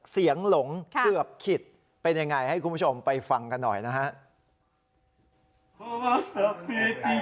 เสียงหลงค่ะเกือบขิดเป็นยังไงให้คุณผู้ชมไปฟังกันหน่อยนะฮะ